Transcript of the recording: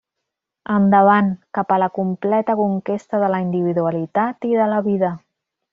Endavant, cap a la completa conquesta de la individualitat i de la vida!